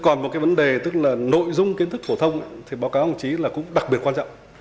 còn một cái vấn đề tức là nội dung kiến thức phổ thông thì báo cáo ông chí là cũng đặc biệt quan trọng